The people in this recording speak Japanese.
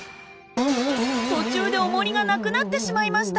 途中でおもりがなくなってしまいました。